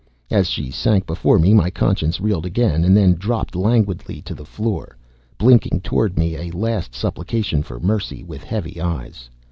As she sank before me my Conscience reeled again, and then drooped languidly to the floor, blinking toward me a last supplication for mercy, with heavy eyes.